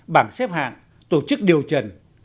bảng xếp hạng tổ chức điều trần